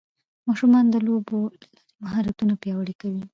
ماشومان د لوبو له لارې مهارتونه پیاوړي کوي